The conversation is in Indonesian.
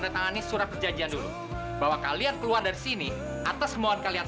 pokoknya kalian bawa dia jauh jauh dari tempat itu